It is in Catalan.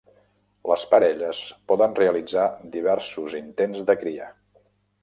Les parelles poden realitzar diversos intents de cria.